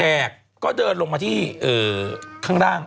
แขกก็เดินลงมาที่ข้างล่าง